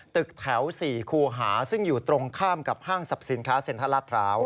ตึกแถว๔คูหาซึ่งอยู่ตรงข้ามกับห้างสรรพสินค้าเซ็นทรัลลาดพร้าว